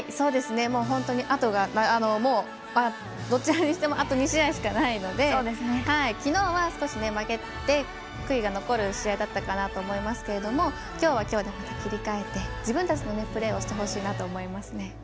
本当に、どちらにしてもあと２試合しかないのできのうは少し負けて悔いが残る試合だったかなと思いますけれどもきょうはきょうで切り替えて自分たちのプレーをしてほしいなと思いますね。